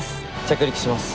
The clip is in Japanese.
着陸します。